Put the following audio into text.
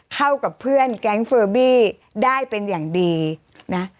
เข้ากับเพื่อนแก๊งเฟอร์บี้ได้เป็นอย่างดีนะ